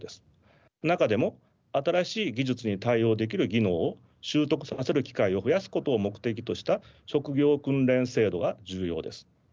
中でも新しい技術に対応できる技能を習得させる機会を増やすことを目的とした職業訓練制度が重要です。